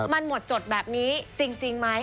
มันหมดจดแบบนี้จริงไหม